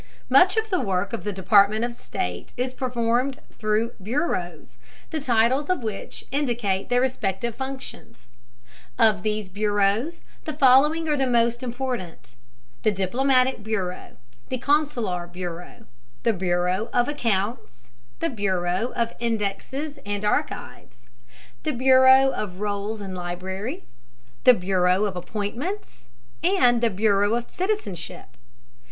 Much of the work of the Department of State is performed through bureaus, the titles of which indicate their respective functions. Of these bureaus the following are the more important: the diplomatic bureau, the consular bureau, the bureau of accounts, the bureau of indexes and archives, the bureau of rolls and library, the bureau of appointments, and the bureau of citizenship.